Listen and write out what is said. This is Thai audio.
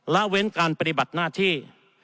ละเว้นการปฏิบัติหน้าที่